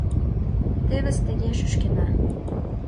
Тевыс тыге шӱшкена.